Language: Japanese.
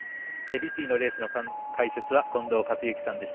立位のレースの解説は近藤克之さんでした。